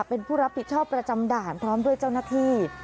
เป็นผู้รับผิดชอบประจำด่านพร้อมด้วยเจ้าหน้าที่